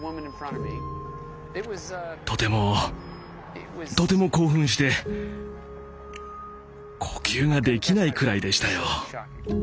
とてもとても興奮して呼吸ができないくらいでしたよ。